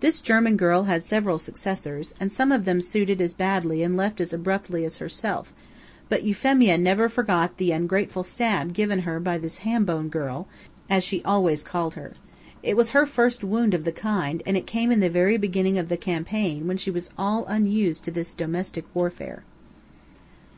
This German girl had several successors, and some of them suited as badly and left as abruptly as herself; but Euphemia never forgot the ungrateful stab given her by this "ham bone girl," as she always called her. It was her first wound of the kind, and it came in the very beginning of the campaign when she was all unused to this domestic warfare.